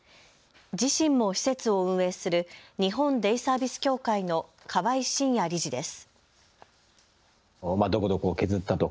自身も施設を運営する日本デイサービス協会の河合眞哉理事です。